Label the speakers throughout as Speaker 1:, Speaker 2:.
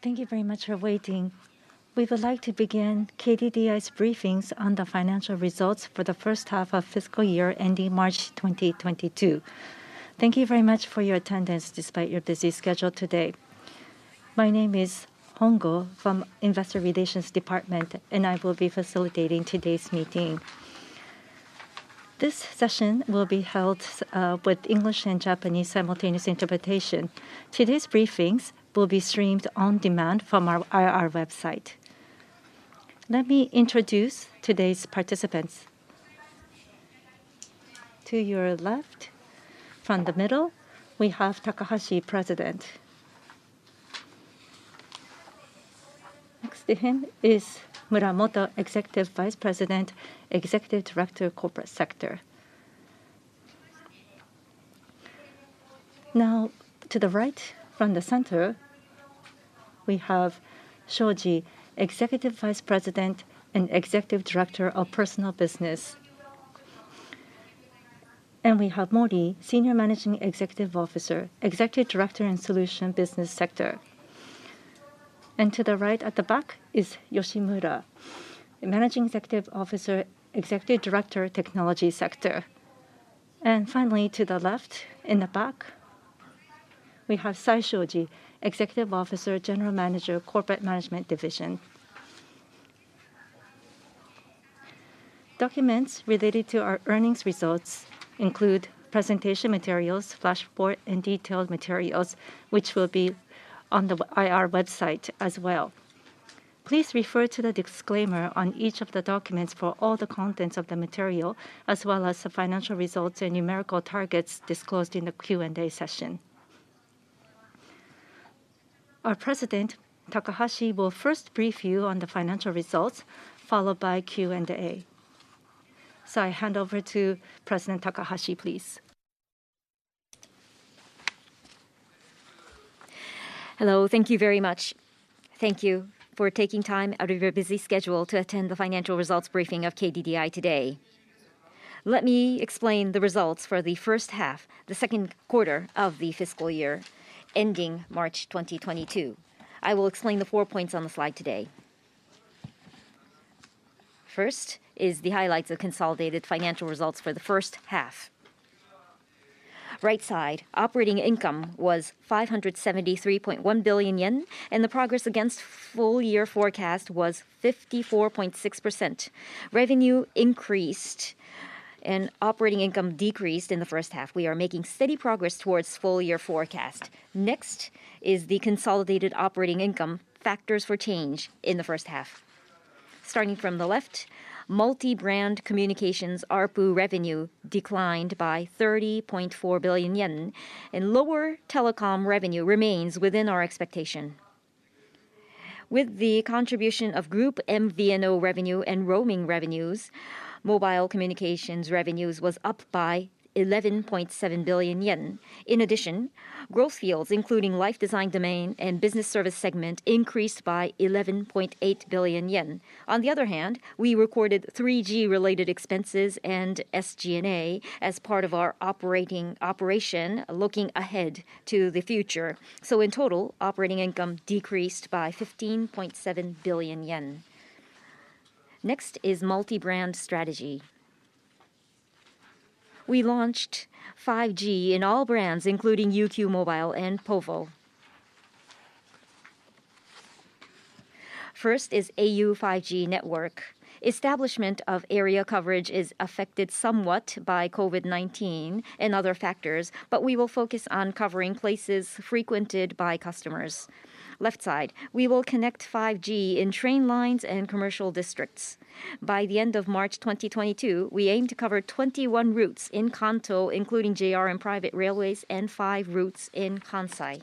Speaker 1: Thank you very much for waiting. We would like to begin KDDI's briefings on the financial results for the first half of fiscal year ending March 2022. Thank you very much for your attendance despite your busy schedule today. My name is Hongou from Investor Relations Department, and I will be facilitating today's meeting. This session will be held with English and Japanese simultaneous interpretation. Today's briefings will be streamed on demand from our IR website. Let me introduce today's participants. To your left, from the middle, we have Takahashi, President. Next to him is Muramoto, Executive Vice President, Executive Director, Corporate Sector. Now, to the right from the center, we have Shoji, Executive Vice President and Executive Director of Personal Business. We have Mori, Senior Managing Executive Officer, Executive Director in Solution Business Sector. To the right at the back is Yoshimura, Managing Executive Officer, Executive Director, Technology Sector. Finally, to the left in the back, we have Nanae Saishoji, Executive Officer, General Manager, Corporate Management Division. Documents related to our earnings results include presentation materials, flash report, and detailed materials, which will be on the IR website as well. Please refer to the disclaimer on each of the documents for all the contents of the material, as well as the financial results and numerical targets disclosed in the Q&A session. Our President, Takahashi, will first brief you on the financial results, followed by Q&A. I hand over to President Takahashi, please.
Speaker 2: Hello. Thank you very much. Thank you for taking time out of your busy schedule to attend the financial results briefing of KDDI today. Let me explain the results for the first half, the second quarter of the fiscal year ending March 2022. I will explain the four points on the slide today. First is the highlights of consolidated financial results for the first half. Right side, operating income was 573.1 billion yen, and the progress against full-year forecast was 54.6%. Revenue increased and operating income decreased in the first half. We are making steady progress towards full-year forecast. Next is the consolidated operating income factors for change in the first half. Starting from the left, Multi-Brand Communications ARPU revenue declined by 30.4 billion yen, and lower telecom revenue remains within our expectation. With the contribution of group MVNO revenue and roaming revenues, mobile communications revenues was up by 11.7 billion yen. In addition, growth fields, including Life Design Domain and Business Services segment, increased by 11.8 billion yen. On the other hand, we recorded 3G related expenses and SG&A as part of our operating operation looking ahead to the future. In total, operating income decreased by 15.7 billion yen. Next is multi-brand strategy. We launched 5G in all brands, including UQ mobile and povo. First is au 5G network. Establishment of area coverage is affected somewhat by COVID-19 and other factors, but we will focus on covering places frequented by customers. Left side, we will connect 5G in train lines and commercial districts. By the end of March 2022, we aim to cover 21 routes in Kanto, including JR and private railways, and 5 routes in Kansai.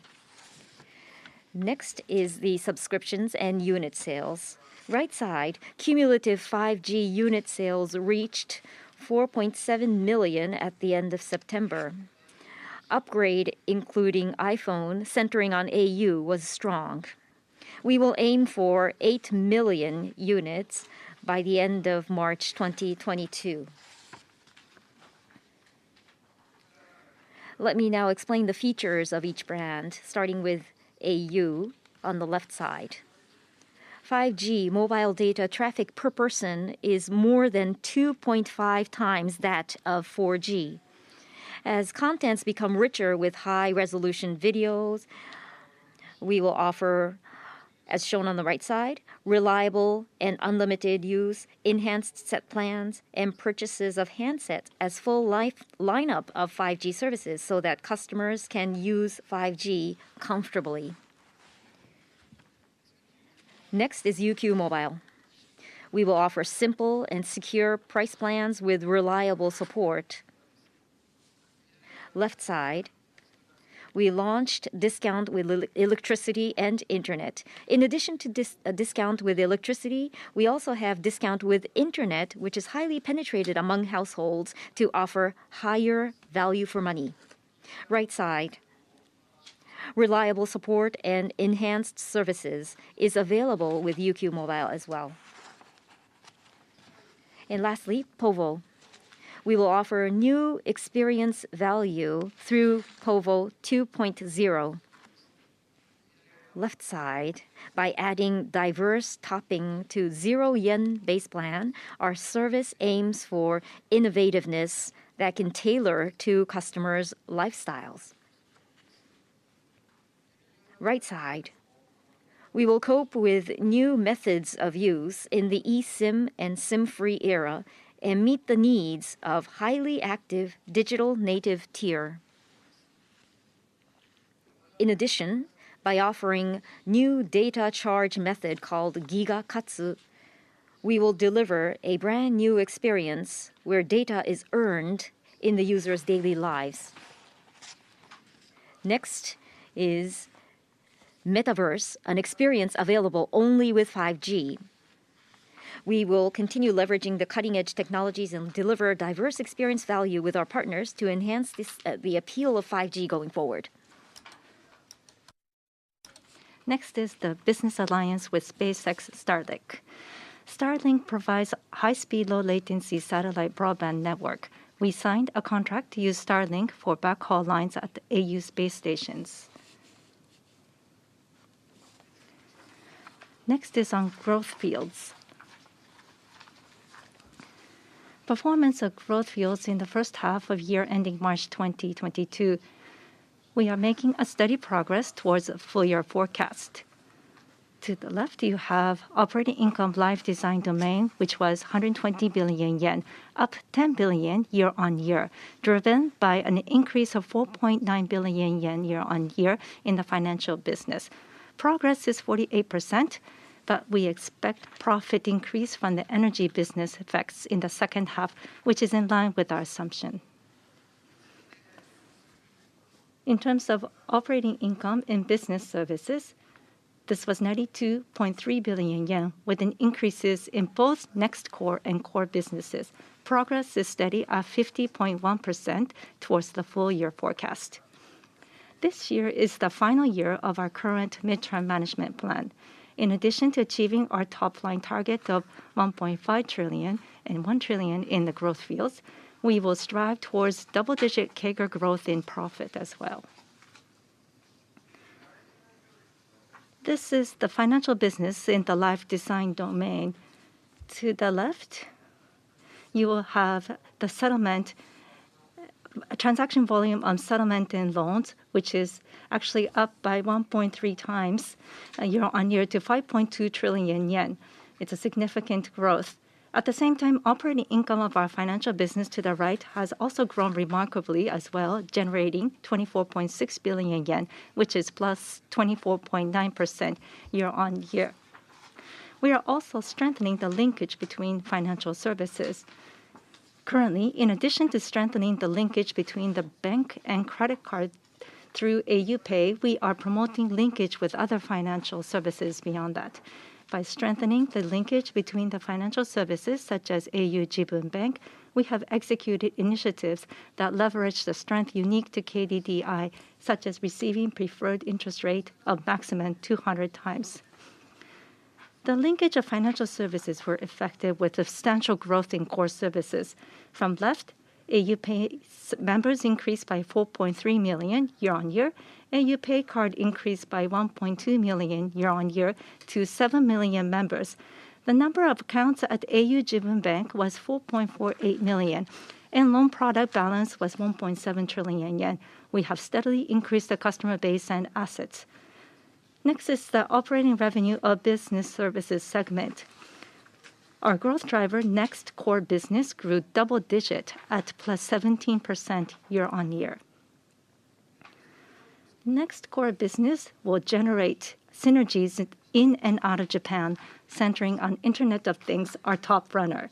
Speaker 2: Next is the subscriptions and unit sales. Right side, cumulative 5G unit sales reached 4.7 million at the end of September. Upgrade, including iPhone, centering on au, was strong. We will aim for 8 million units by the end of March 2022. Let me now explain the features of each brand, starting with au on the left side. 5G mobile data traffic per person is more than 2.5 times that of 4G. As contents become richer with high-resolution videos, we will offer, as shown on the right side, reliable and unlimited use, enhanced set plans, and purchases of handsets as a full lineup of 5G services so that customers can use 5G comfortably. Next is UQ mobile. We will offer simple and secure price plans with reliable support. Left side, we launched discount with electricity and internet. In addition to discount with electricity, we also have discount with internet, which is highly penetrated among households to offer higher value for money. Right side, reliable support and enhanced services is available with UQ mobile as well. Lastly, povo. We will offer new experience value through povo 2.0. Left side, by adding diverse topping to zero yen base plan, our service aims for innovativeness that can tailor to customers' lifestyles. Right side, we will cope with new methods of use in the eSIM and SIM-free era and meet the needs of highly active digital native tier. In addition, by offering new data charge method called Giga Katsu, we will deliver a brand new experience where data is earned in the user's daily lives. Next is Metaverse, an experience available only with 5G. We will continue leveraging the cutting-edge technologies and deliver diverse experience value with our partners to enhance this, the appeal of 5G going forward. Next is the business alliance with SpaceX Starlink. Starlink provides high speed, low latency satellite broadband network. We signed a contract to use Starlink for backhaul lines at the au base stations. Next, on growth fields. Performance of growth fields in the first half of the year ending March 2022. We are making steady progress towards a full-year forecast. To the left, you have operating income, Life Design Domain, which was 120 billion yen, up 10 billion year-on-year, driven by an increase of 4.9 billion yen year-on-year in the financial business. Progress is 48%, but we expect profit increase from the energy business effects in the second half, which is in line with our assumption. In terms of operating income in Business Services, this was 92.3 billion yen with increases in both NEXT Core and core businesses. Progress is steady at 50.1% towards the full-year forecast. This year is the final year of our current midterm management plan. In addition to achieving our top line target of 1.5 trillion and 1 trillion in the growth fields, we will strive towards double-digit CAGR growth in profit as well. This is the financial business in the Life Design Domain. To the left, you will have the settlement transaction volume on settlement and loans, which is actually up by 1.3 times year-on-year to 5.2 trillion yen. It's a significant growth. At the same time, operating income of our financial business to the right has also grown remarkably as well, generating 24.6 billion yen, which is +24.9% year-on-year. We are also strengthening the linkage between financial services. Currently, in addition to strengthening the linkage between the bank and credit card through au PAY, we are promoting linkage with other financial services beyond that. By strengthening the linkage between the financial services such as au Jibun Bank, we have executed initiatives that leverage the strength unique to KDDI, such as receiving preferred interest rate of maximum 200 times. The linkage of financial services were effective with substantial growth in core services. From left, au PAY's members increased by 4.3 million year-on-year, au PAY Card increased by 1.2 million year-on-year to 7 million members. The number of accounts at au Jibun Bank was 4.48 million, and loan product balance was 1.7 trillion yen. We have steadily increased the customer base and assets. Next is the operating revenue of Business Services segment. Our growth driver, NEXT Core business, grew double-digit at +17% year-on-year. NEXT Core business will generate synergies in and out of Japan, centering on Internet of Things, our top runner.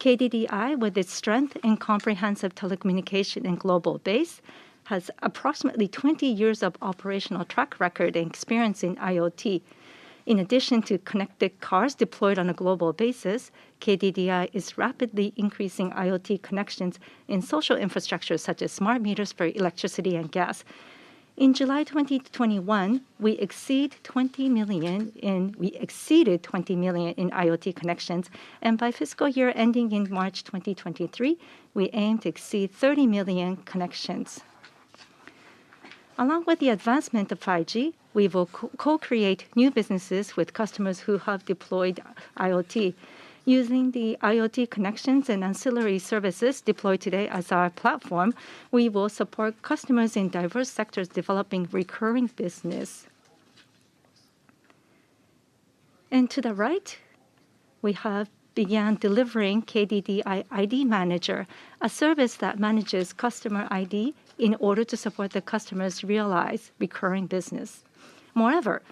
Speaker 2: KDDI, with its strength in comprehensive telecommunications and global base, has approximately 20 years of operational track record and experience in IoT. In addition to connected cars deployed on a global basis, KDDI is rapidly increasing IoT connections in social infrastructure such as smart meters for electricity and gas. In July 2020 to 2021, we exceeded 20 million IoT connections, and by fiscal year ending March 2023, we aim to exceed 30 million connections. Along with the advancement of 5G, we will co-create new businesses with customers who have deployed IoT. Using the IoT connections and ancillary services deployed today as our platform, we will support customers in diverse sectors developing recurring business. To the right, we have begun delivering KDDI ID Manager, a service that manages customer ID in order to support the customers realize recurring business. Moreover,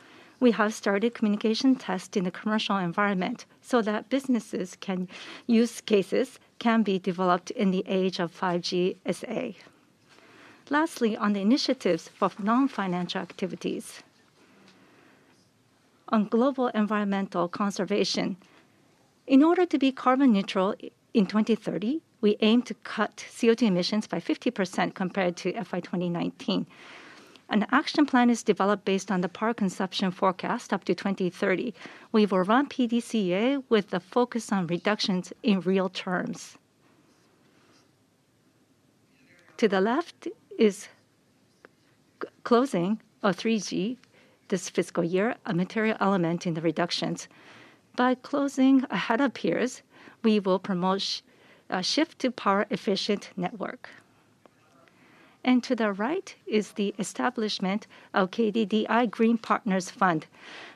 Speaker 2: we have started communication test in the commercial environment so that business use cases can be developed in the age of 5G SA. Lastly, on the initiatives of non-financial activities. On global environmental conservation, in order to be carbon neutral in 2030, we aim to cut CO2 emissions by 50% compared to FY 2019. An action plan is developed based on the power consumption forecast up to 2030. We will run PDCA with the focus on reductions in real terms. To the left is closing of 3G this fiscal year, a material element in the reductions. By closing ahead of peers, we will promote a shift to power efficient network. To the right is the establishment of KDDI Green Partners Fund.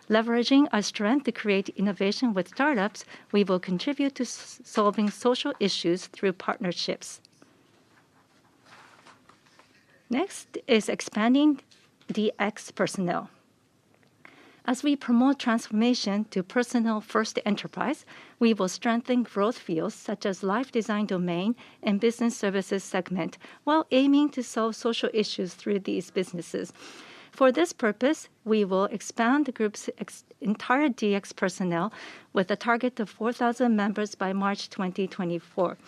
Speaker 2: Leveraging our strength to create innovation with startups, we will contribute to solving social issues through partnerships. Next is expanding DX personnel. As we promote transformation to personnel first enterprise, we will strengthen growth fields such as Life Design Domain and Business Services segment, while aiming to solve social issues through these businesses. For this purpose, we will expand the group's entire DX personnel with a target of 4,000 members by March 2024.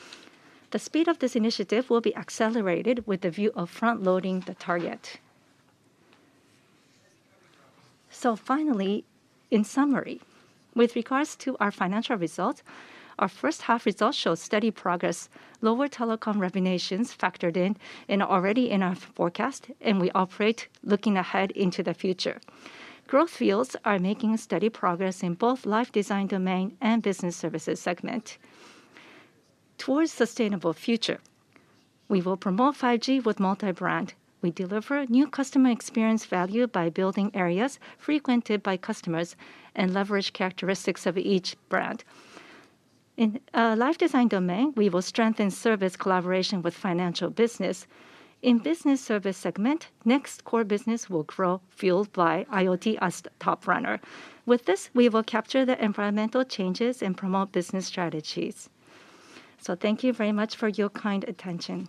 Speaker 2: The speed of this initiative will be accelerated with the view of front-loading the target. Finally, in summary, with regards to our financial results, our first half results show steady progress. Lower telecom revenues factored in and already in our forecast, and we operate looking ahead into the future. Growth fields are making steady progress in both Life Design Domain and Business Services segment. Towards sustainable future, we will promote 5G with multi-brand. We deliver new customer experience value by building areas frequented by customers and leverage characteristics of each brand. In Life Design Domain, we will strengthen service collaboration with financial business. In Business Services segment, NEXT Core business will grow fueled by IoT as the top runner. With this, we will capture the environmental changes and promote business strategies. Thank you very much for your kind attention.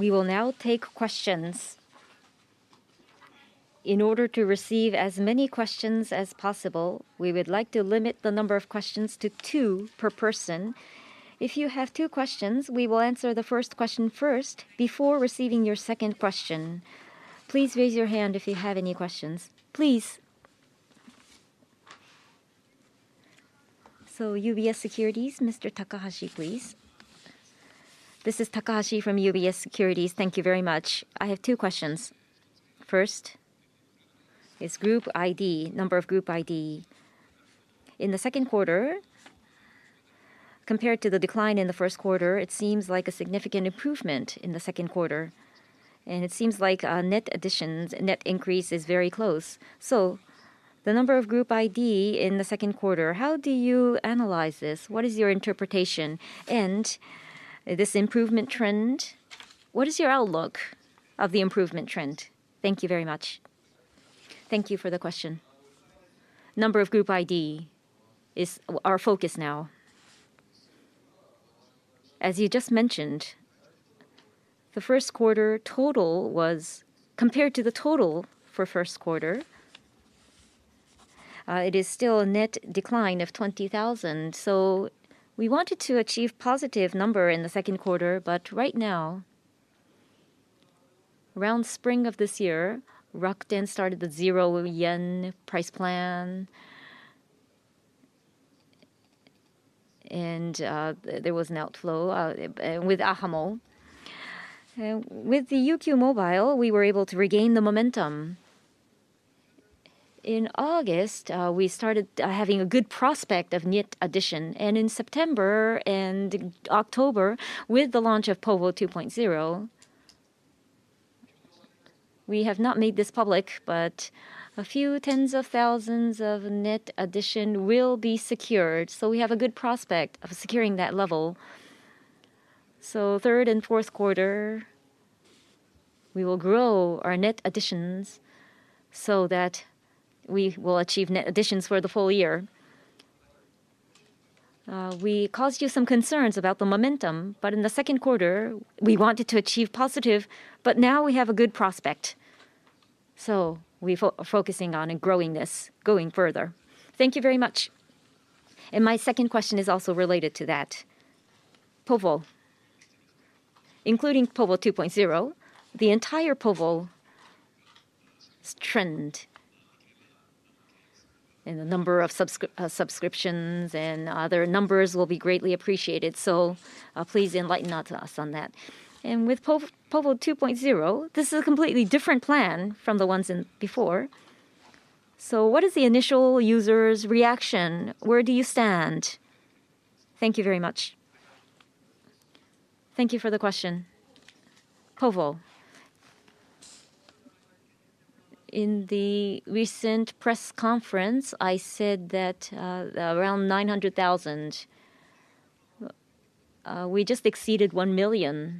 Speaker 2: We will now take questions. In order to receive as many questions as possible, we would like to limit the number of questions to two per person. If you have two questions, we will answer the first question first before receiving your second question. Please raise your hand if you have any questions. Please. UBS Securities, Mr. Takahashi, please.
Speaker 3: This is Takahashi from UBS Securities. Thank you very much. I have two questions. First is group ID, number of group ID. In the second quarter, compared to the decline in the first quarter, it seems like a significant improvement in the second quarter, and it seems like net additions, net increase is very close. The number of group ID in the second quarter, how do you analyze this? What is your interpretation? And this improvement trend, what is your outlook of the improvement trend? Thank you very much.
Speaker 2: Thank you for the question. Number of group ID is our focus now. As you just mentioned, the first quarter total was. Compared to the total for first quarter, it is still a net decline of 20,000. We wanted to achieve positive number in the second quarter, but right now, around spring of this year, Rakuten started the zero yen price plan and there was an outflow with ahamo. With the UQ mobile, we were able to regain the momentum. In August, we started having a good prospect of net addition. In September and October, with the launch of povo 2.0, we have not made this public, but a few tens of thousands of net addition will be secured. We have a good prospect of securing that level. Third and fourth quarter, we will grow our net additions so that we will achieve net additions for the full year. We caused you some concerns about the momentum, but in the second quarter, we wanted to achieve positive, but now we have a good prospect. We focusing on and growing this, going further.
Speaker 3: Thank you very much. My second question is also related to that. Povo, including povo 2.0, the entire povo's trend and the number of subscriptions and other numbers will be greatly appreciated. Please enlighten us on that. With povo 2.0, this is a completely different plan from the ones before. What is the initial user's reaction? Where do you stand? Thank you very much.
Speaker 2: Thank you for the question. povo. In the recent press conference, I said that, around 900,000. We just exceeded 1,000,000,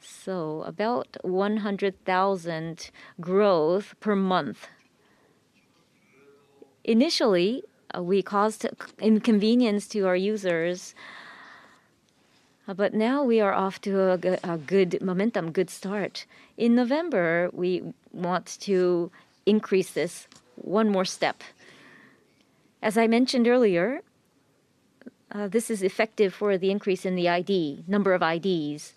Speaker 2: so about 100,000 growth per month. Initially, we caused inconvenience to our users, but now we are off to a good momentum, good start. In November, we want to increase this one more step. As I mentioned earlier, this is effective for the increase in the ID, number of IDs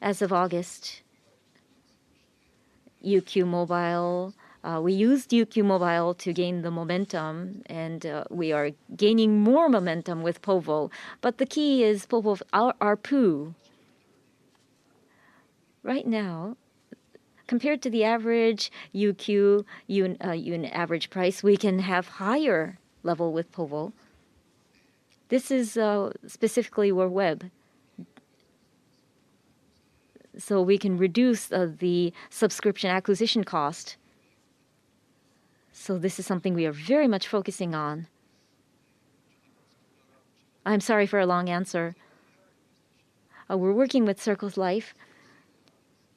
Speaker 2: as of August. UQ mobile, we used UQ mobile to gain the momentum, and, we are gaining more momentum with povo. But the key is povo's ARPU. Right now, compared to the average UQ unit average price, we can have higher level with povo. This is specifically where web. We can reduce the subscription acquisition cost. This is something we are very much focusing on. I'm sorry for a long answer. We're working with Circles.Life.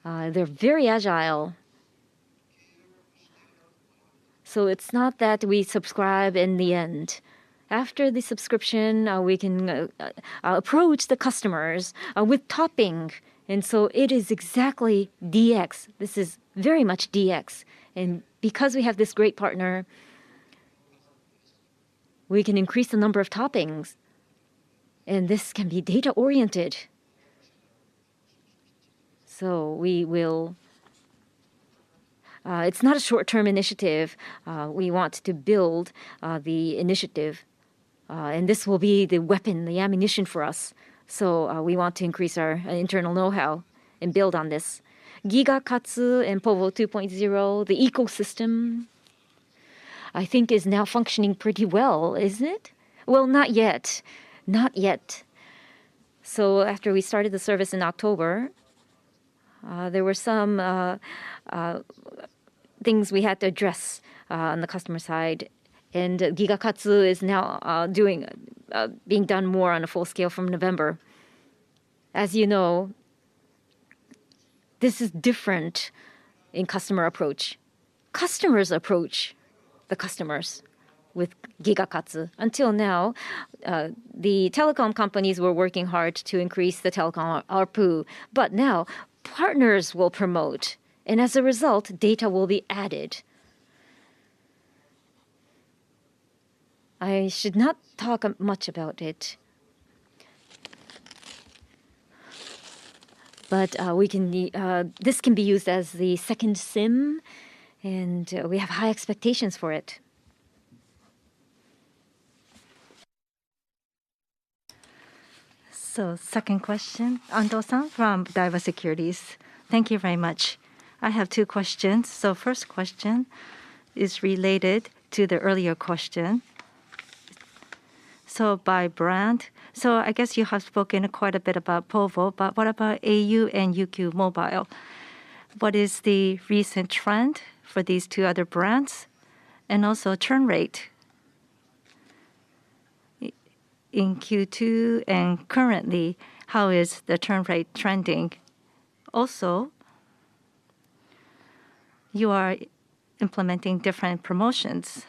Speaker 2: They're very agile. It's not that we subscribe in the end. After the subscription, we can approach the customers with topping, and so it is exactly DX. This is very much DX. Because we have this great partner, we can increase the number of toppings, and this can be data-oriented. We will. It's not a short-term initiative. We want to build the initiative, and this will be the weapon, the ammunition for us. We want to increase our internal know-how and build on this. Giga Katsu and povo 2.0, the ecosystem, I think is now functioning pretty well, isn't it? Well, not yet. Not yet. After we started the service in October, there were some things we had to address on the customer side, and Giga Katsu is now being done more on a full scale from November. As you know, this is different in customer approach. Customers approach the customers with Giga Katsu. Until now, the telecom companies were working hard to increase the telecom ARPU, but now partners will promote, and as a result, data will be added. I should not talk too much about it. This can be used as the second SIM, and we have high expectations for it.
Speaker 1: Second question, Ando-san from Daiwa Securities.
Speaker 4: Thank you very much. I have two questions. First question is related to the earlier question. By brand, I guess you have spoken quite a bit about povo, but what about au and UQ mobile? What is the recent trend for these two other brands? And also churn rate. In Q2 and currently, how is the churn rate trending? Also, you are implementing different promotions.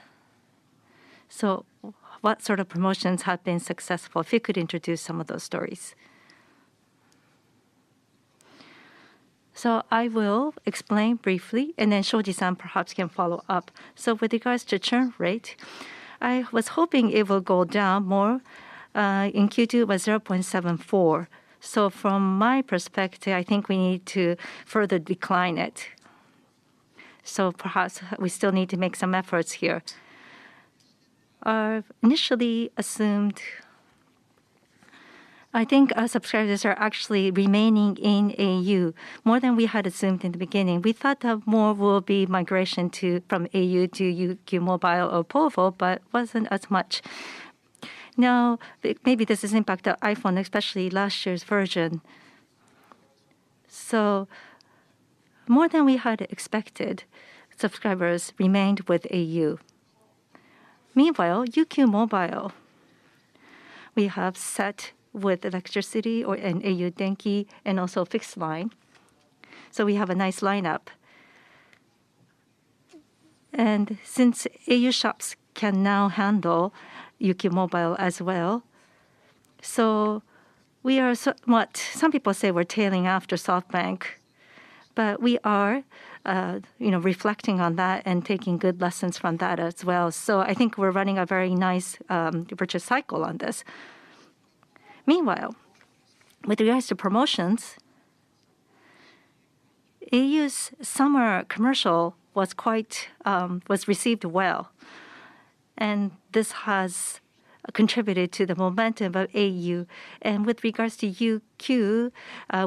Speaker 4: What sort of promotions have been successful? If you could introduce some of those stories.
Speaker 2: I will explain briefly, and then Saishoji perhaps can follow up. With regards to churn rate, I was hoping it will go down more, in Q2 was 0.74%. From my perspective, I think we need to further decline it. Perhaps we still need to make some efforts here. I think our subscribers are actually remaining in au more than we had assumed in the beginning. We thought that more will be migration from au to UQ mobile or povo, but wasn't as much. Now, maybe this has impact on iPhone, especially last year's version. More than we had expected, subscribers remained with au. UQ mobile, we have set with electricity or au Denki and also fixed line. We have a nice lineup. Since au shops can now handle UQ mobile as well, what some people say we're tailing after SoftBank, but we are, you know, reflecting on that and taking good lessons from that as well. I think we're running a very nice virtuous cycle on this. Meanwhile, with regards to promotions, au's summer commercial was quite was received well, and this has contributed to the momentum of au. With regards to UQ,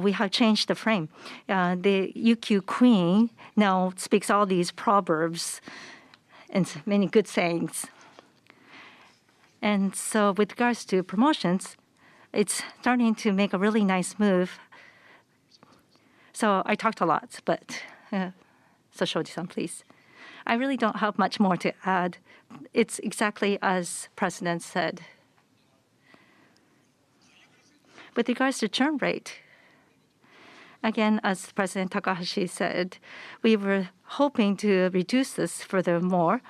Speaker 2: we have changed the frame. The UQ queen now speaks all these proverbs and many good sayings. With regards to promotions, it's starting to make a really nice move. I talked a lot, but Saishoji, please.
Speaker 5: I really don't have much more to add. It's exactly as President said. With regards to churn rate, again, as President Takahashi said, we were hoping to reduce this furthermore.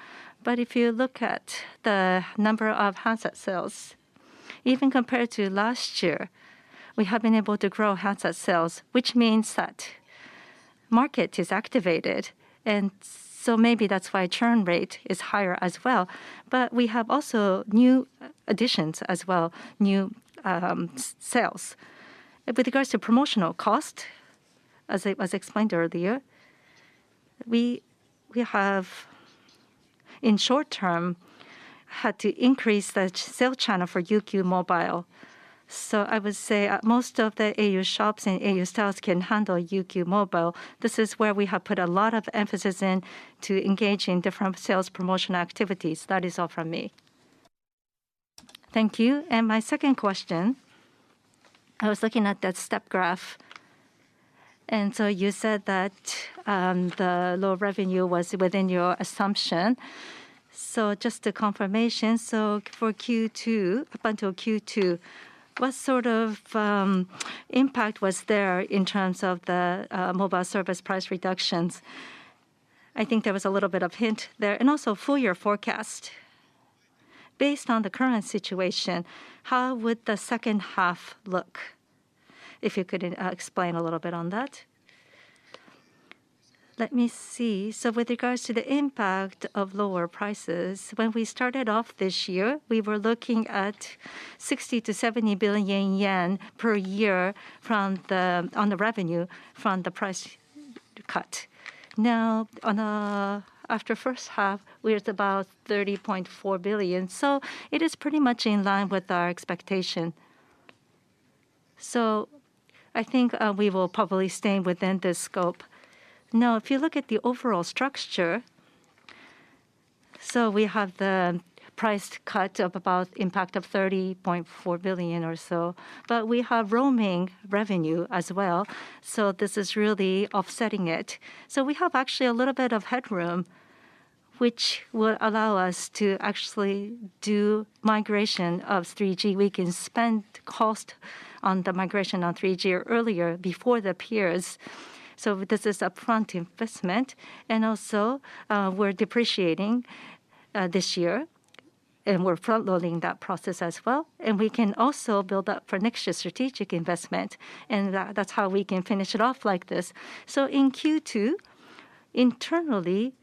Speaker 5: If you look at the number of handset sales. Even compared to last year, we have been able to grow handset sales, which means that market is activated, maybe that's why churn rate is higher as well. We have also new additions as well, new sales. With regards to promotional cost, as explained earlier, we have, in short term, had to increase the channel sales for UQ mobile. I would say, most of the au shops and au styles can handle UQ mobile. This is where we have put a lot of emphasis in to engage in different sales promotion activities. That is all from me. Thank you. My second question, I was looking at that step graph, and so you said that, the lower revenue was within your assumption. Just a confirmation, for Q2, up until Q2, what sort of, impact was there in terms of the, mobile service price reductions? I think there was a little bit of hint there, and also full year forecast. Based on the current situation, how would the second half look, if you could, explain a little bit on that?
Speaker 2: Let me see. With regards to the impact of lower prices, when we started off this year, we were looking at 60 billion-70 billion yen per year on the revenue from the price cut. Now, after the first half, we are at about 30.4 billion. It is pretty much in line with our expectation. I think we will probably stay within this scope. If you look at the overall structure, we have the price cut impact of about 30.4 billion or so, but we have roaming revenue as well, so this is really offsetting it. We have actually a little bit of headroom, which will allow us to actually do migration of 3G. We can spend cost on the migration of 3G earlier, before the peers. This is upfront investment, and also, we're depreciating this year, and we're front-loading that process as well. We can also build up for next year's strategic investment, and that's how we can finish it off like this. In Q2, internally,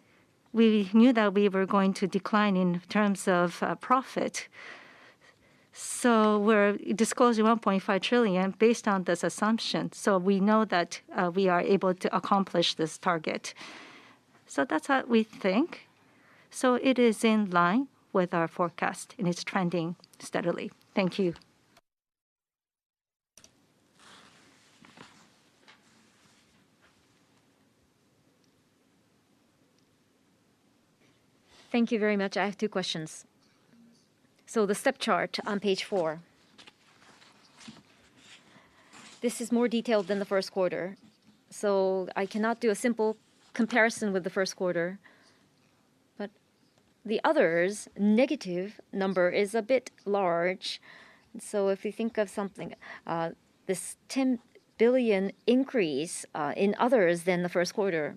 Speaker 2: we knew that we were going to decline in terms of profit. We're disclosing 1.5 trillion based on this assumption, so we know that we are able to accomplish this target. That's what we think. It is in line with our forecast, and it's trending steadily. Thank you.
Speaker 4: Thank you very much. I have two questions. The segment chart on page 4. This is more detailed than the first quarter, so I cannot do a simple comparison with the first quarter. The Others negative number is a bit large, so if you think of something, this 10 billion increase in Others than the first quarter.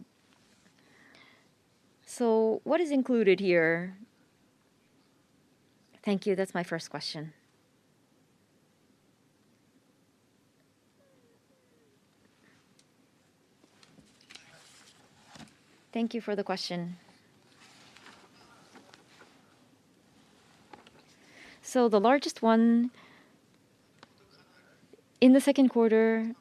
Speaker 4: What is included here? Thank you. That's my first question.
Speaker 2: Thank you for the question. The largest one, in the second quarter,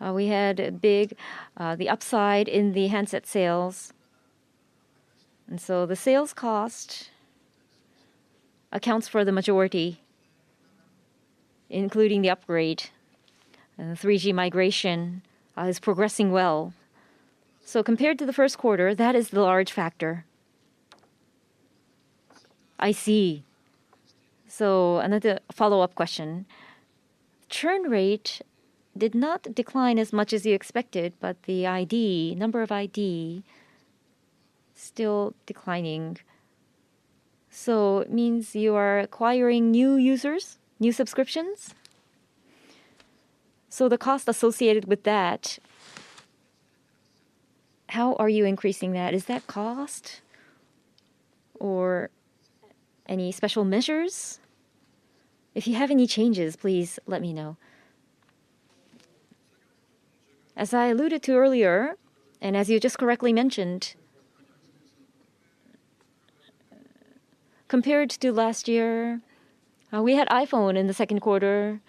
Speaker 2: we had a big upside in the handset sales. The sales cost accounts for the majority, including the upgrade, and the 3G migration is progressing well. Compared to the first quarter, that is the large factor.
Speaker 4: I see. Another follow-up question. Churn rate did not decline as much as you expected, but the ID, number of ID, still declining. It means you are acquiring new users, new subscriptions. The cost associated with that, how are you increasing that? Is that cost or any special measures? If you have any changes, please let me know.
Speaker 2: As I alluded to earlier, and as you just correctly mentioned, compared to last year, we had iPhone in the second quarter,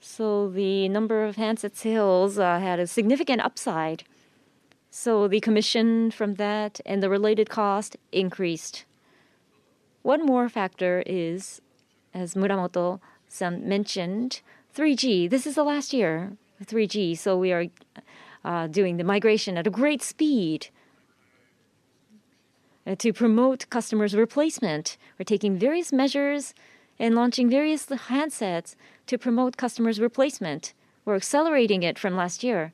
Speaker 2: so the number of handset sales had a significant upside. The commission from that and the related cost increased. One more factor is, as Muramoto mentioned, 3G. This is the last year, 3G, so we are doing the migration at a great speed to promote customers replacement. We're taking various measures and launching various handsets to promote customers replacement. We're accelerating it from last year.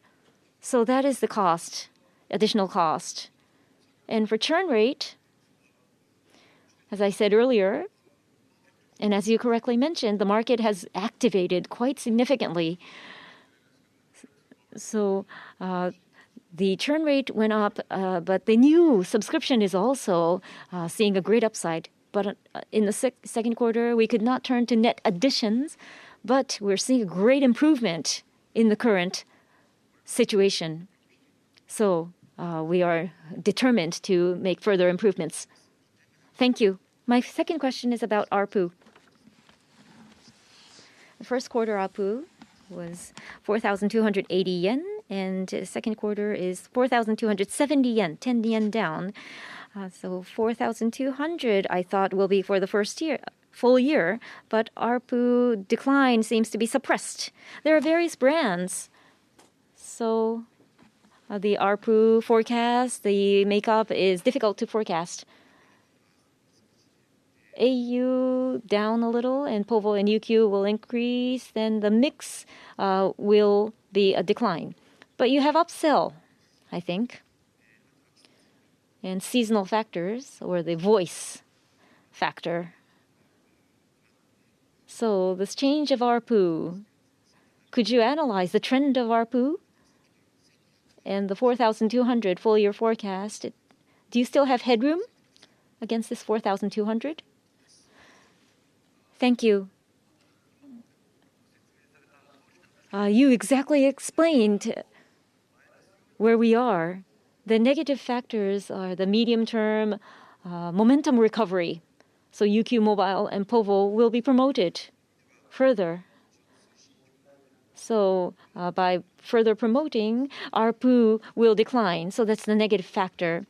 Speaker 2: That is the cost, additional cost. For churn rate, as I said earlier, and as you correctly mentioned, the market has activated quite significantly. The churn rate went up, but the new subscription is also seeing a great upside. In the second quarter, we could not turn to net additions, but we're seeing a great improvement in the current situation. We are determined to make further improvements. Thank you. My second question is about ARPU. The first quarter ARPU was 4,280 yen, and second quarter is 4,270 yen, 10 yen down. Four thousand two hundred I thought will be for the first year, full year, but ARPU decline seems to be suppressed. There are various brands, the ARPU forecast, the makeup is difficult to forecast. au down a little, and povo and UQ will increase, then the mix will be a decline. You have upsell, I think, and seasonal factors or the voice factor. This change of ARPU, could you analyze the trend of ARPU? And the 4,200 full year forecast, do you still have headroom against this 4,200? Thank you. You exactly explained where we are. The negative factors are the medium-term momentum recovery. UQ mobile and povo will be promoted further. By further promoting, ARPU will decline, so that's the negative factor.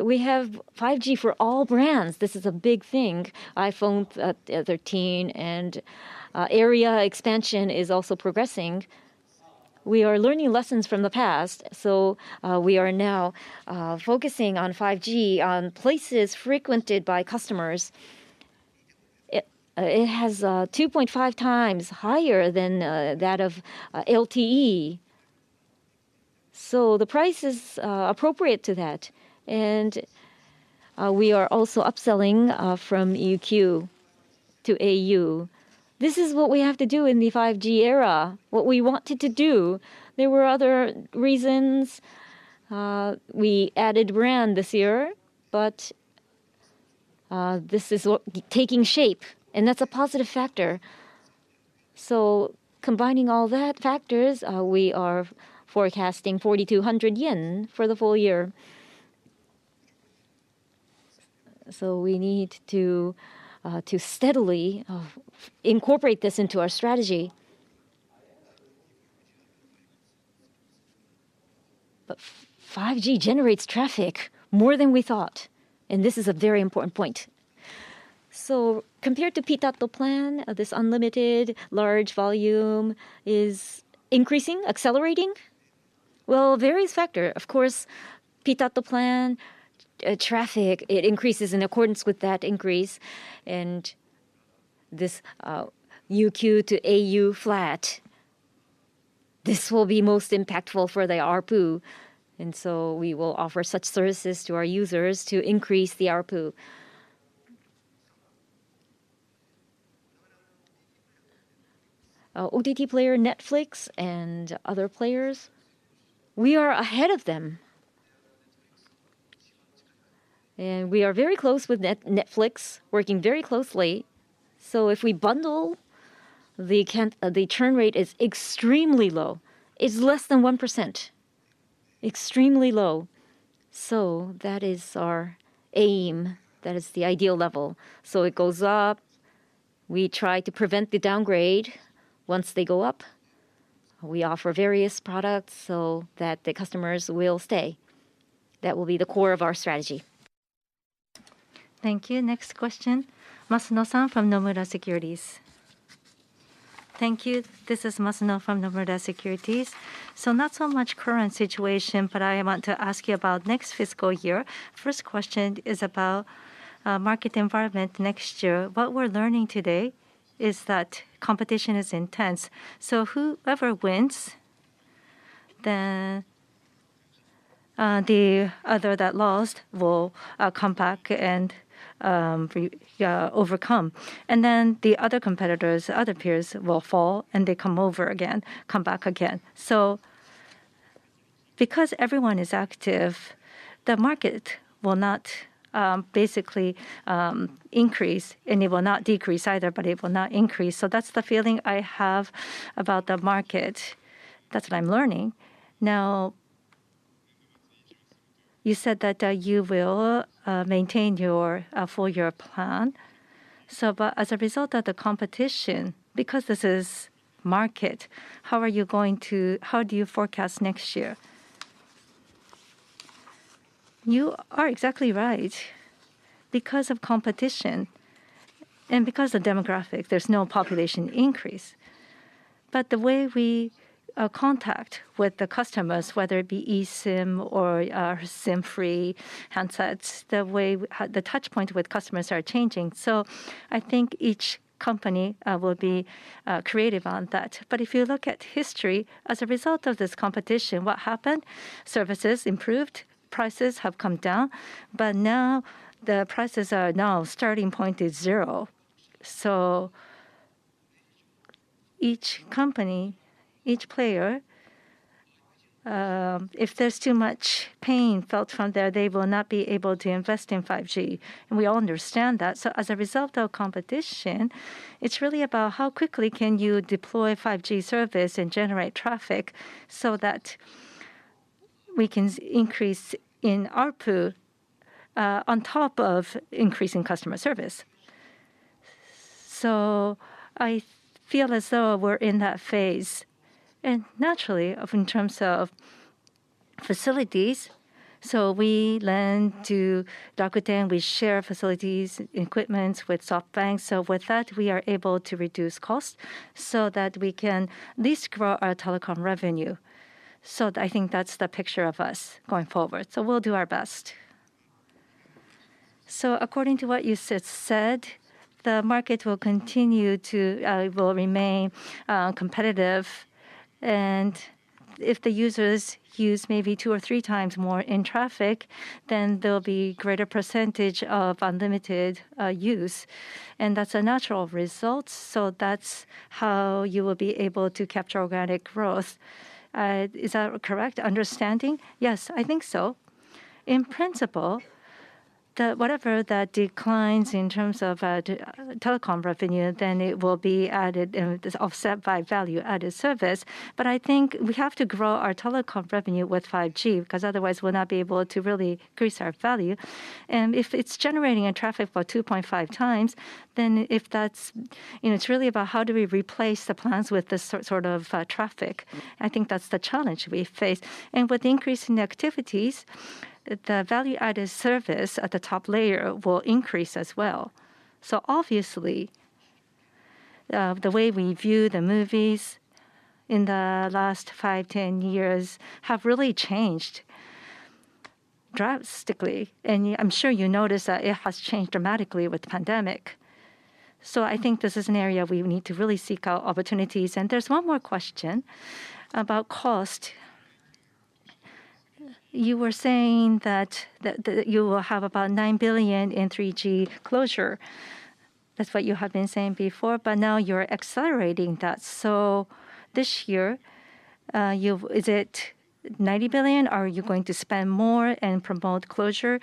Speaker 2: We have 5G for all brands. This is a big thing. iPhone 13 and area expansion is also progressing. We are learning lessons from the past. We are now focusing on 5G on places frequented by customers. It has 2.5 times higher than that of LTE, so the price is appropriate to that. We are also upselling from UQ to au. This is what we have to do in the 5G era, what we wanted to do. There were other reasons. We added brand this year, but this is taking shape, and that's a positive factor. Combining all those factors, we are forecasting 4,200 yen for the full year. We need to steadily incorporate this into our strategy. 5G generates traffic more than we thought, and this is a very important point. Compared to Pitat Plan, this unlimited large volume is increasing, accelerating? Well, various factors. Of course, Pitat Plan traffic, it increases in accordance with that increase. This UQ to au flat will be most impactful for the ARPU. We will offer such services to our users to increase the ARPU. OTT player Netflix and other players, we are ahead of them. We are very close with Netflix, working very closely. If we bundle, the churn rate is extremely low. It's less than 1%, extremely low. That is our aim. That is the ideal level. It goes up. We try to prevent the downgrade once they go up. We offer various products so that the customers will stay. That will be the core of our strategy.
Speaker 1: Thank you. Next question, Masuno-san from Nomura Securities.
Speaker 6: Thank you. This is Masuno from Nomura Securities. Not so much current situation, but I want to ask you about next fiscal year. First question is about market environment next year. What we're learning today is that competition is intense. Whoever wins, the other that lost will come back and overcome. The other competitors, other peers will fall, and they come over again, come back again. Because everyone is active, the market will not basically increase, and it will not decrease either, but it will not increase. That's the feeling I have about the market. That's what I'm learning. Now, you said that you will maintain your full year plan. But as a result of the competition, because this is market, how are you going to... How do you forecast next year?
Speaker 2: You are exactly right. Because of competition and because of demographics, there's no population increase. The way we contact with the customers, whether it be eSIM or SIM-free handsets, the way the touch point with customers are changing. I think each company will be creative on that. If you look at history, as a result of this competition, what happened? Services improved, prices have come down, but now the prices' starting point is zero. Each company, each player, if there's too much pain felt from there, they will not be able to invest in 5G, and we all understand that. As a result of competition, it's really about how quickly can you deploy 5G service and generate traffic so that we can increase in ARPU on top of increasing customer service. I feel as though we're in that phase. Naturally, in terms of facilities, we lend to Docomo, we share facilities, equipment with SoftBank. With that, we are able to reduce costs so that we can at least grow our telecom revenue. I think that's the picture of us going forward. We'll do our best. According to what you said, the market will remain competitive. If the users use maybe 2 or 3 times more in traffic, then there'll be greater percentage of unlimited use, and that's a natural result. That's how you will be able to capture organic growth. Is that a correct understanding? Yes, I think so. In principle, the whatever that declines in terms of telecom revenue, then it will be added, you know, this offset by value-added service. I think we have to grow our telecom revenue with 5G because otherwise we'll not be able to really increase our value. If it's generating a traffic by 2.5 times, then if that's you know, it's really about how do we replace the plans with this sort of traffic. I think that's the challenge we face. With increasing activities, the value-added service at the top layer will increase as well. Obviously, the way we view the movies in the last 5, 10 years has really changed drastically, and I'm sure you notice that it has changed dramatically with the pandemic. I think this is an area we need to really seek out opportunities. There's one more question about cost. You were saying that you will have about 9 billion in 3G closure. That's what you had been saying before, but now you're accelerating that. This year, Is it 90 billion? Are you going to spend more and promote closure?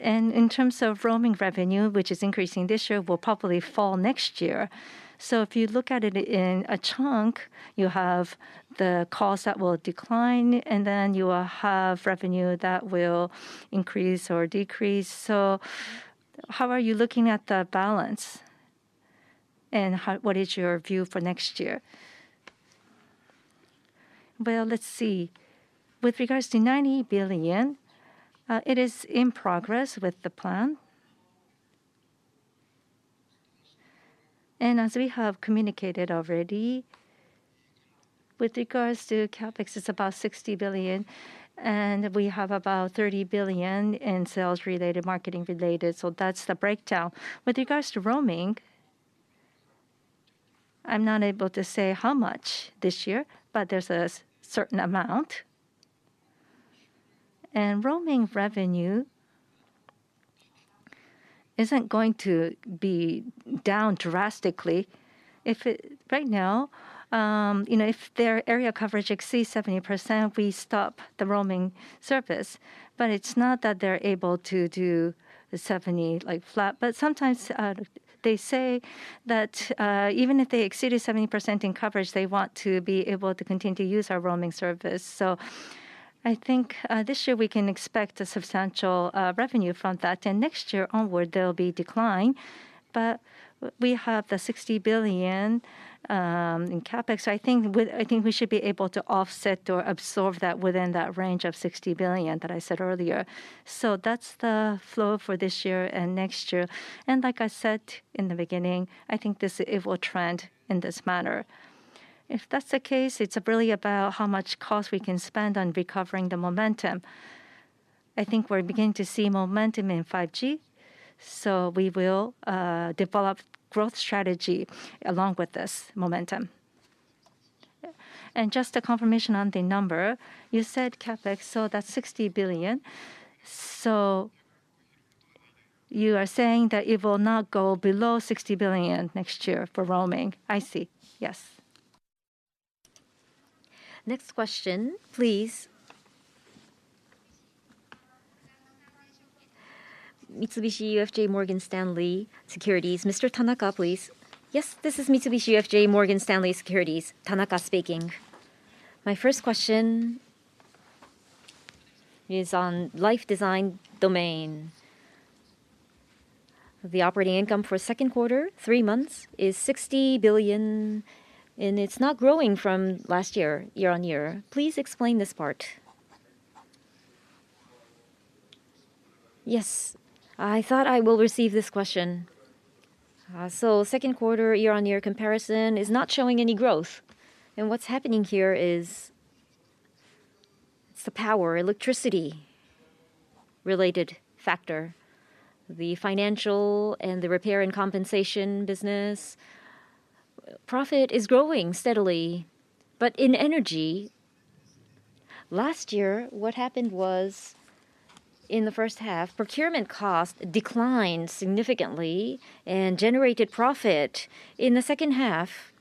Speaker 2: And in terms of roaming revenue, which is increasing this year, will probably fall next year. If you look at it in a chunk, you have the cost that will decline, and then you will have revenue that will increase or decrease.
Speaker 6: How are you looking at the balance, and what is your view for next year?
Speaker 2: Well, let's see. With regards to 90 billion, it is in progress with the plan. As we have communicated already, with regards to CapEx, it's about 60 billion, and we have about 30 billion in sales related, marketing related, so that's the breakdown. With regards to roaming, I'm not able to say how much this year, but there's a certain amount. Roaming revenue isn't going to be down drastically. Right now, you know, if their area coverage exceeds 70%, we stop the roaming service. But it's not that they're able to do the 70, like, flat. But sometimes, they say that even if they exceeded 70% in coverage, they want to be able to continue to use our roaming service. I think this year we can expect a substantial revenue from that. Next year onward, there'll be decline. We have the 60 billion in CapEx. I think we should be able to offset or absorb that within that range of 60 billion that I said earlier. That's the flow for this year and next year. Like I said in the beginning, I think this, it will trend in this manner. If that's the case, it's really about how much cost we can spend on recovering the momentum. I think we're beginning to see momentum in 5G, so we will develop growth strategy along with this momentum. Just a confirmation on the number. You said CapEx, so that's 60 billion. You are saying that it will not go below 60 billion next year for roaming.
Speaker 6: I see. Yes.
Speaker 1: Next question, please. Mitsubishi UFJ Morgan Stanley Securities. Mr. Tanaka, please.
Speaker 7: Yes, this is Mitsubishi UFJ Morgan Stanley Securities, Tanaka speaking. My first question is on Life Design Domain. The operating income for second quarter, three months, is 60 billion, and it's not growing from last year-over-year. Please explain this part.
Speaker 2: Yes. I thought I will receive this question. Second quarter year-on-year comparison is not showing any growth. What's happening here is the power, electricity related factor. The financial and the repair and compensation business profit is growing steadily. In energy Last year, what happened was in the first half, procurement cost declined significantly and generated profit. In the second half,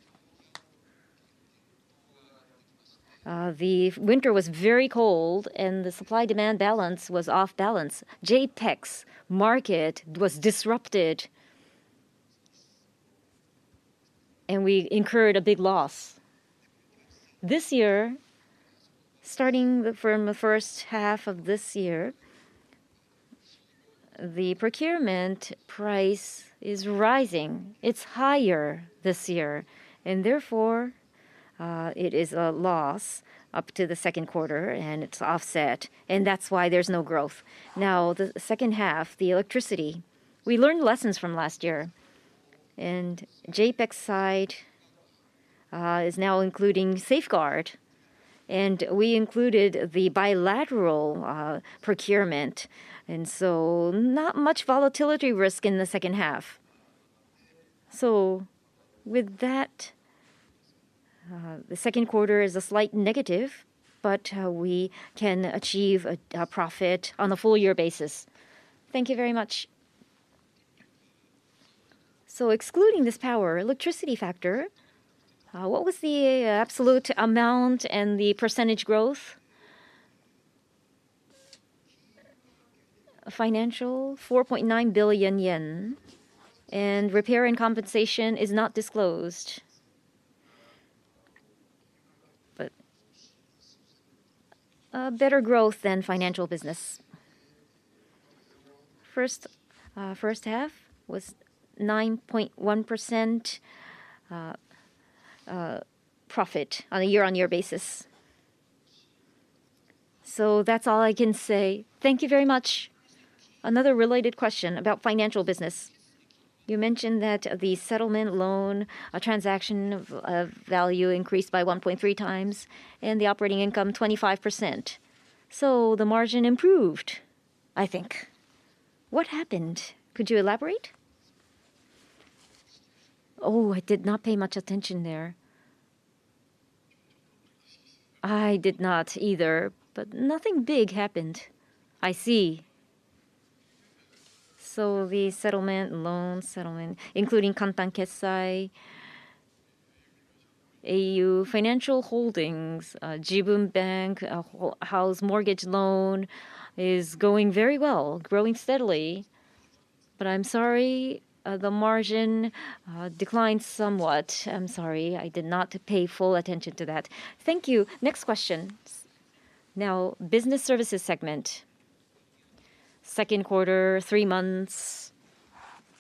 Speaker 2: the winter was very cold and the supply-demand balance was off balance. JEPX market was disrupted, and we incurred a big loss. This year, starting from the first half of this year, the procurement price is rising. It's higher this year, and therefore, it is a loss up to the second quarter, and it's offset, and that's why there's no growth. Now, the second half, the electricity, we learned lessons from last year, and JEPX side is now including safeguard, and we included the bilateral procurement, and so not much volatility risk in the second half. With that, the second quarter is a slight negative, but we can achieve a profit on a full year basis.
Speaker 7: Thank you very much.
Speaker 2: Excluding this power, electricity factor, what was the absolute amount and the percentage growth? Financial, 4.9 billion yen, and repair and compensation is not disclosed. But a better growth than financial business. First half was 9.1% profit on a year-on-year basis. That's all I can say. Thank you very much. Another related question about financial business. You mentioned that the settlement loan, a transaction of value increased by 1.3 times and the operating income 25%. The margin improved, I think. What happened? Could you elaborate? Oh, I did not pay much attention there. I did not either, but nothing big happened. I see. The settlement loan, settlement, including au Kantan Kessai, au Financial Holdings, au Jibun Bank, house mortgage loan is going very well, growing steadily. I'm sorry, the margin declined somewhat. I'm sorry. I did not pay full attention to that. Thank you. Next question. Now, Business Services segment. Second quarter, three months.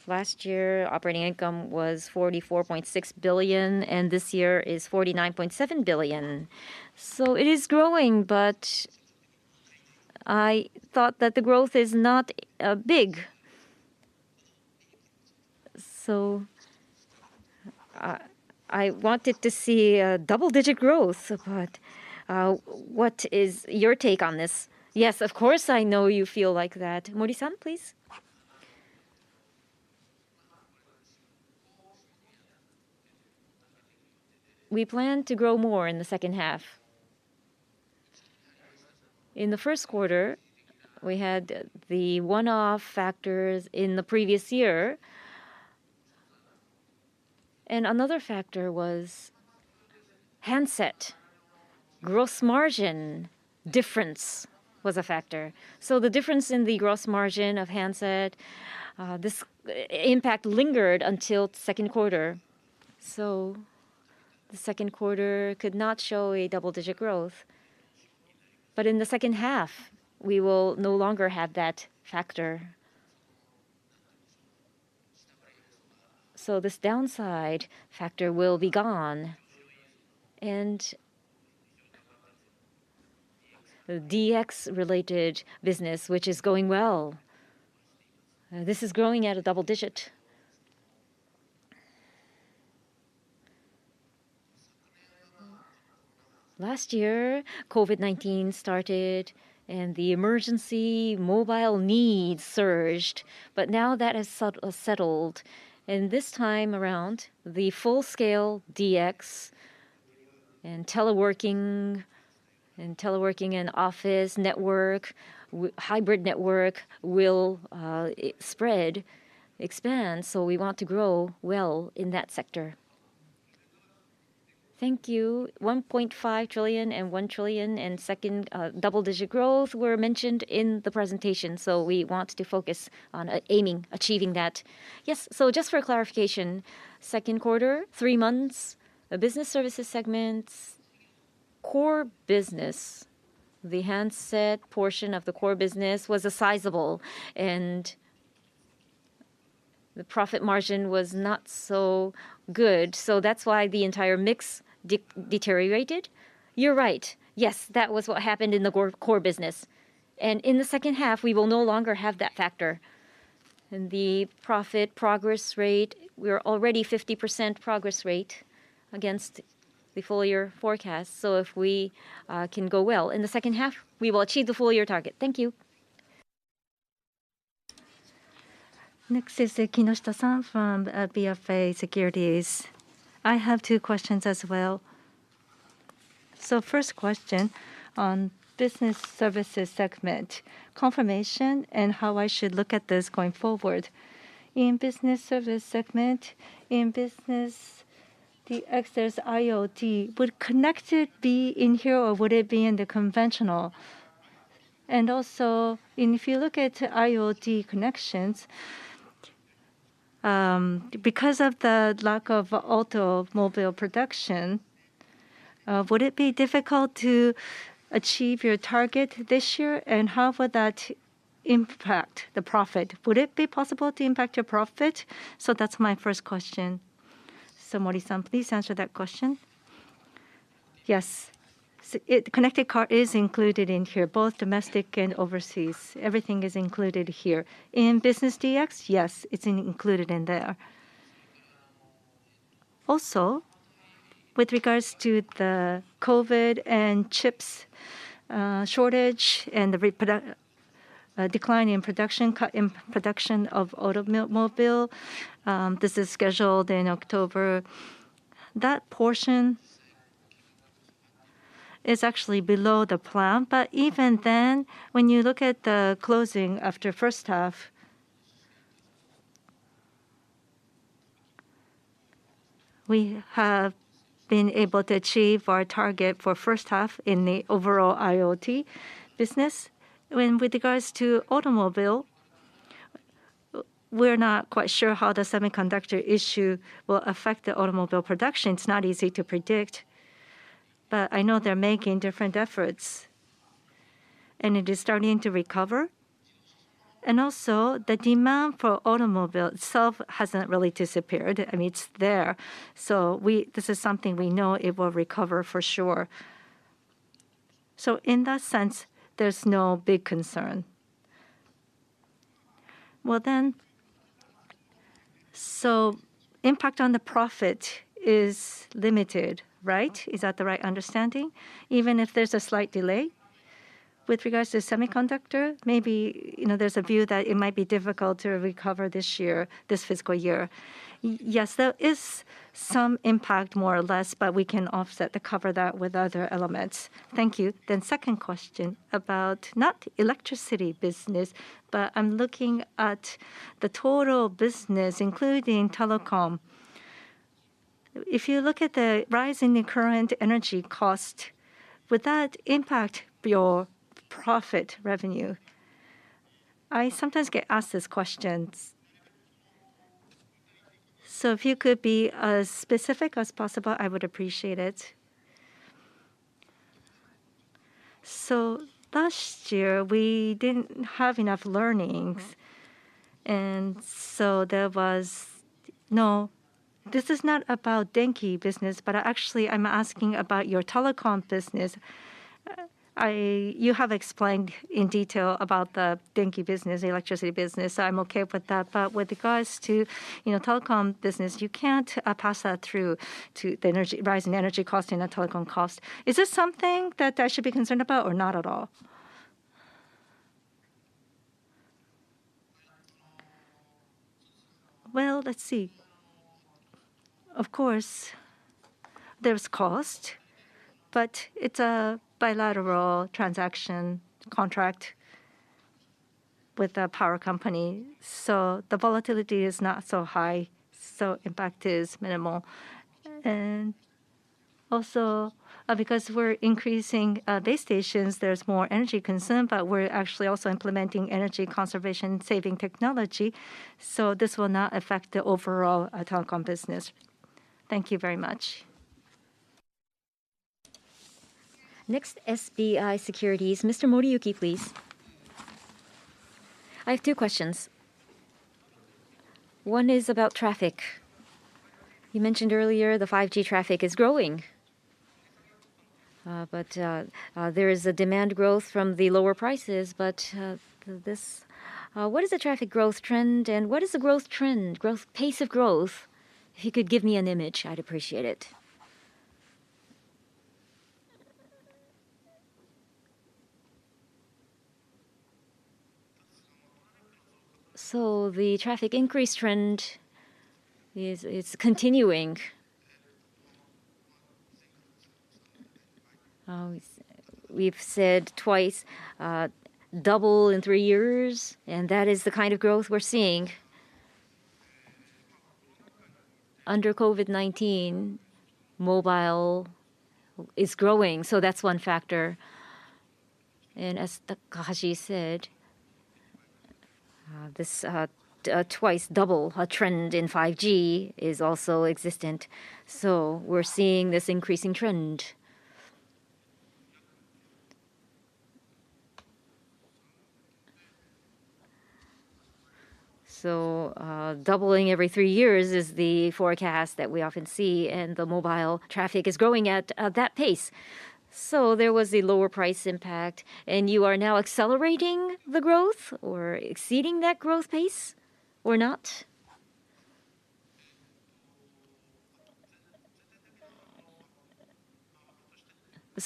Speaker 2: Last year, operating income was 44.6 billion, and this year is 49.7 billion. It is growing, but I thought that the growth is not big. I wanted to see a double-digit growth, but what is your take on this? Yes, of course I know you feel like that. Mori-san, please. We plan to grow more in the second half. In the first quarter, we had the one-off factors in the previous year. Another factor was handset. Gross margin difference was a factor. The difference in the gross margin of handset, this impact lingered until second quarter. The second quarter could not show a double-digit growth.
Speaker 1: In the second half, we will no longer have that factor. This downside factor will be gone. The DX related business, which is going well, this is growing at a double-digit. Last year, COVID-19 started and the emergency mobile needs surged, but now that has settled. This time around, the full-scale DX and teleworking and office network, hybrid network will spread, expand. We want to grow well in that sector. Thank you. 1.5 trillion and 1 trillion and second, double-digit growth were mentioned in the presentation. We want to focus on aiming, achieving that. Yes. Just for clarification, second quarter, three months, the Business Services segment's core business, the handset portion of the core business was sizable and the profit margin was not so good.
Speaker 2: That's why the entire mix deteriorated? You're right. Yes. That was what happened in the core business. In the second half, we will no longer have that factor. The profit progress rate, we're already 50% progress rate against the full-year forecast. If we can go well in the second half, we will achieve the full-year target. Thank you.
Speaker 1: Next is Kinoshita-san from BofA Securities .
Speaker 3: I have two questions as well. First question on Business Services segment, confirmation and how I should look at this going forward. In Business Services segment, in business the NEXT IoT, would connected be in here or would it be in the conventional? Also, if you look at IoT connections, because of the lack of automobile production, would it be difficult to achieve your target this year? And how would that impact the profit? Would it be possible to impact your profit? That's my first question. Mori-san, please answer that question.
Speaker 8: Yes. Connected car is included in here, both domestic and overseas. Everything is included here. In Business DX, yes, it's included in there.
Speaker 2: With regards to the COVID and chips shortage and the decline in production, cut in production of automobile, this is scheduled in October. That portion is actually below the plan. Even then, when you look at the closing after first half, we have been able to achieve our target for first half in the overall IoT business. With regards to automobile, we're not quite sure how the semiconductor issue will affect the automobile production. It's not easy to predict, but I know they're making different efforts and it is starting to recover. Also, the demand for automobile itself hasn't really disappeared. I mean, it's there. This is something we know it will recover for sure. In that sense, there's no big concern. Well then, impact on the profit is limited, right? Is that the right understanding? Even if there's a slight delay with regards to semiconductor, maybe, you know, there's a view that it might be difficult to recover this year, this fiscal year. Yes, there is some impact more or less, but we can offset to cover that with other elements. Thank you. Second question about not electricity business, but I'm looking at the total business, including telecom. If you look at the rise in the current energy cost, would that impact your profit revenue? I sometimes get asked these questions. If you could be as specific as possible, I would appreciate it. Last year we didn't have enough learnings. No, this is not about Denki business, but actually I'm asking about your telecom business. I You have explained in detail about the Denki business, the electricity business, so I'm okay with that. With regards to, you know, telecom business, you can't pass that through to the energy, rise in energy cost, you know, telecom cost. Is this something that I should be concerned about or not at all? Well, let's see. Of course there's cost, but it's a bilateral transaction contract with a power company, so the volatility is not so high, so impact is minimal. Also, because we're increasing base stations, there's more energy concern, but we're actually also implementing energy conservation saving technology, so this will not affect the overall telecom business. Thank you very much.
Speaker 1: Next, SBI Securities. Mr. Moriyuki, please.
Speaker 9: I have two questions. One is about traffic. You mentioned earlier the 5G traffic is growing, but there is a demand growth from the lower prices, but what is the traffic growth trend, and what is the growth trend and pace of growth? If you could give me an image, I'd appreciate it.
Speaker 2: The traffic increase trend is continuing. We've said twice double in three years, and that is the kind of growth we're seeing. Under COVID-19, mobile is growing, so that's one factor. As Takahashi said, twice double trend in 5G is also existent, so we're seeing this increasing trend. Doubling every three years is the forecast that we often see, and the mobile traffic is growing at that pace. There was a lower price impact, and you are now accelerating the growth or exceeding that growth pace, or not?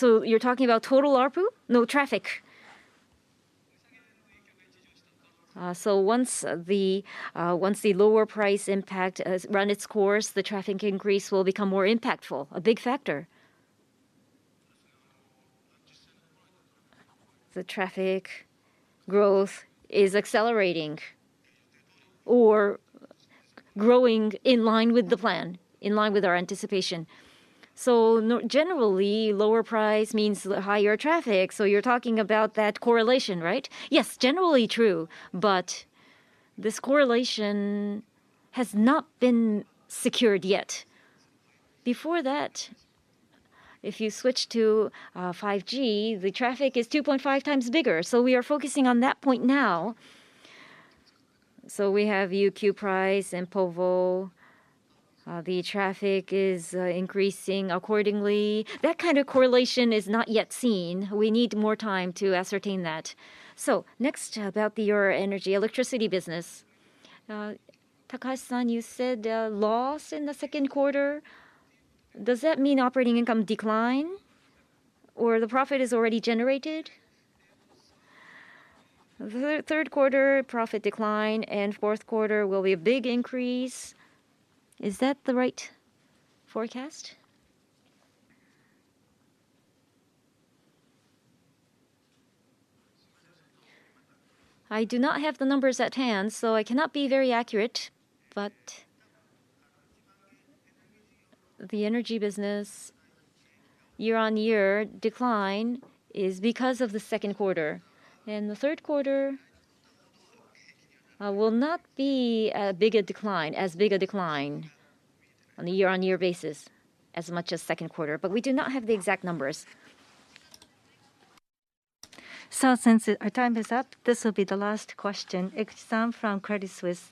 Speaker 2: You're talking about total ARPU? No, traffic .Once the lower price impact has run its course, the traffic increase will become more impactful, a big factor. The traffic growth is accelerating or growing in line with the plan, in line with our anticipation. Generally, lower price means higher traffic, so you're talking about that correlation, right? Yes, generally true, but this correlation has not been secured yet. Before that, if you switch to 5G, the traffic is 2.5 times bigger, so we are focusing on that point now. We have UQ price and povo. The traffic is increasing accordingly. That kind of correlation is not yet seen. We need more time to ascertain that. Next, about your energy, electricity business. Takahashi-san, you said loss in the second quarter. Does that mean operating income decline, or the profit is already generated? The third quarter profit decline and fourth quarter will be a big increase. Is that the right forecast? I do not have the numbers at hand, so I cannot be very accurate. The energy business year-on-year decline is because of the second quarter. The third quarter will not be a bigger decline, as big a decline on a year-over-year basis as much as second quarter. We do not have the exact numbers.
Speaker 1: Since our time is up, this will be the last question. Eguchi from Credit Suisse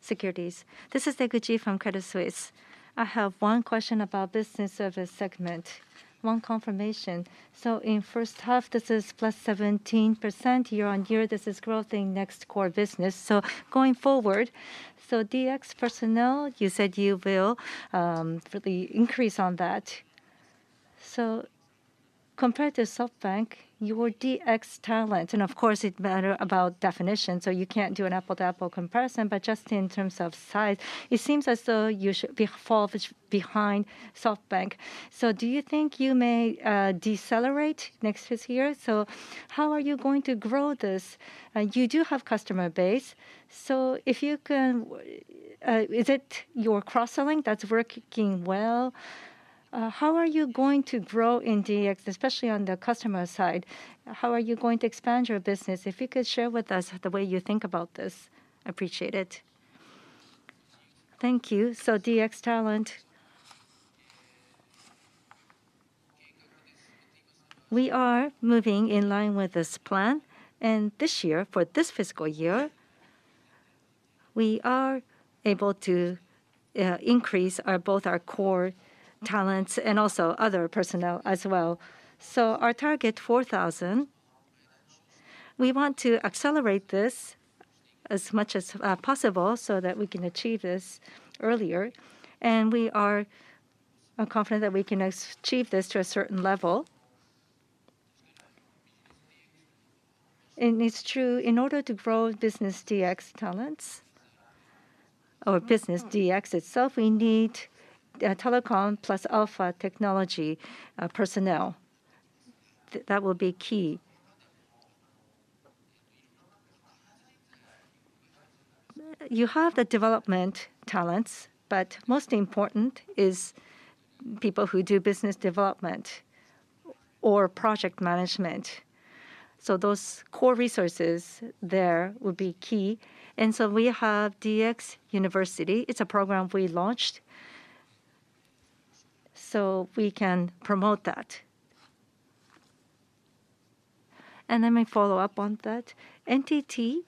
Speaker 1: Securities.
Speaker 9: This is Eguchi from Credit Suisse. I have one question about Business Services segment. One confirmation. In first half, this is +17% year-on-year. This is growth in NEXT Core business. Going forward, DX personnel, you said you will for the increase on that. Compared to SoftBank, your DX talent, and of course it matters about definition, you can't do an apple-to-apple comparison. But just in terms of size, it seems as though you fall behind SoftBank. Do you think you may decelerate next fiscal year? How are you going to grow this? You do have customer base, if you can, is it your cross-selling that's working well? How are you going to grow in DX, especially on the customer side? How are you going to expand your business? If you could share with us the way you think about this, appreciate it.
Speaker 2: Thank you. DX talent. We are moving in line with this plan. This year, for this fiscal year, we are able to increase our both our core talents and also other personnel as well. Our target, 4,000, we want to accelerate this as much as possible so that we can achieve this earlier. We are confident that we can achieve this to a certain level. It's true, in order to grow business DX talents or business DX itself, we need telecom plus alpha technology personnel. That will be key. You have the development talents, but most important is people who do business development or project management. Those core resources there will be key. We have DX University. It's a program we launched. We can promote that.
Speaker 9: Let me follow up on that. NTT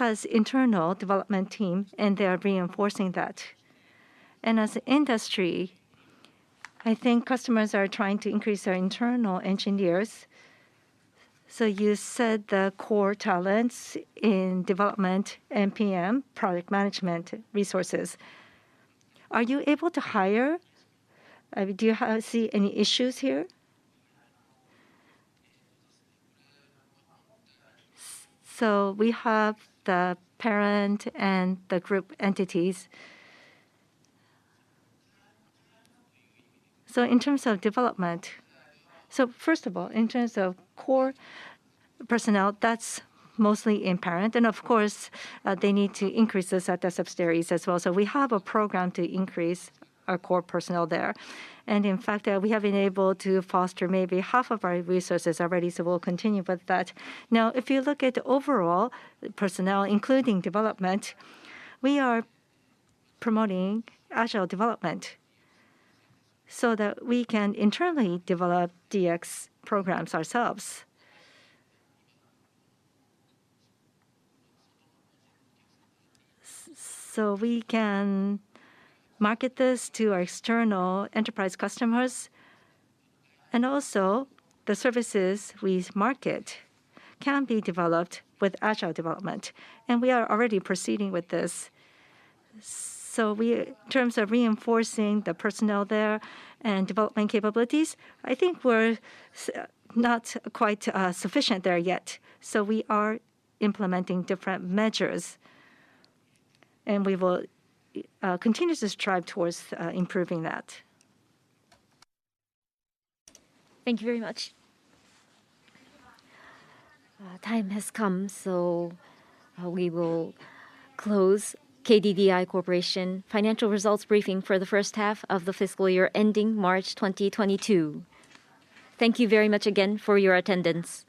Speaker 9: has internal development team, and they are reinforcing that. As an industry, I think customers are trying to increase their internal engineers. You said the core talents in development and PM, project management resources. Are you able to hire? Do you see any issues here?
Speaker 2: We havethe parent and the group entities. In terms of development, first of all, in terms of core personnel, that's mostly in parent. Of course, they need to increase this at the subsidiaries as well. We have a program to increase our core personnel there. In fact, we have been able to foster maybe half of our resources already. We'll continue with that. Now, if you look at overall personnel, including development, we are promoting agile development so that we can internally develop DX programs ourselves. We can market this to our external enterprise customers, and also the services we market can be developed with agile development, and we are already proceeding with this. We, in terms of reinforcing the personnel there and development capabilities, I think we're not quite sufficient there yet. We are implementing different measures, and we will continue to strive towards improving that.
Speaker 9: Thank you very much.
Speaker 1: Time has come, so we will close KDDI Corporation financial results briefing for the first half of the fiscal year ending March 2022. Thank you very much again for your attendance.